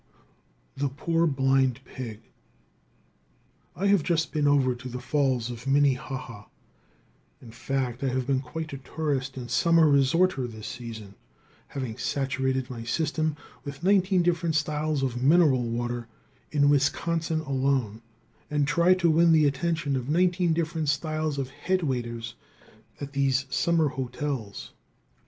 The Poor Blind Pig. I have just been over to the Falls of Minnehaha. In fact I have been quite a tourist and summer resorter this season, having saturated my system with nineteen different styles of mineral water in Wisconsin alone, and tried to win the attention of nineteen different styles of head waiters at these summer hotels.